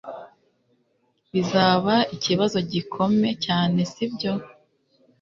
Bizaba ikibazo gikome cyane sibyo